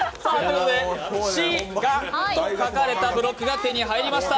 しがと書かれたブロックが手に入りました。